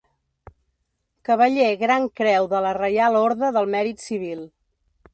Cavaller Gran Creu de la Reial Orde del Mèrit Civil.